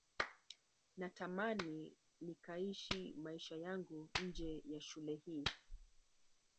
natamani nikaishi maisha yangu nje ya shule hii